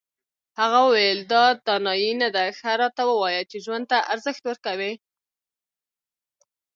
هغه وویل دا دانایي نه ده ښه راته ووایه چې ژوند ته ارزښت ورکوې.